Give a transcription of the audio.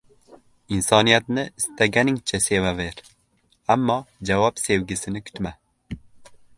— Insoniyatni istaganingcha sevaver, ammo javob sevgisini kutma.